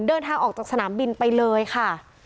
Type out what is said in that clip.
เดินทางออกจากสนามบินไปเลยค่ะ